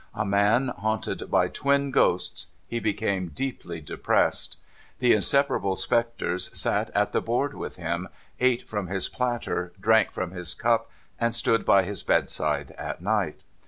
A man haunted by twin ghosts, he became deeply depressed. The inseparable spectres sat at the board with him, ate from his platter, drank from his cup, and stood by his bedside at night.